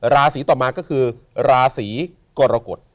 ราศีต่อมาก็คือราศีกรกฎ